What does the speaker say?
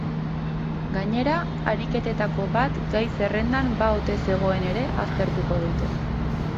Gainera, ariketetako bat gai-zerrendan ba ote zegoen ere aztertuko dute.